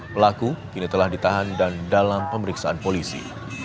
pelaku kini telah ditahan dan dalam pemeriksaan polisi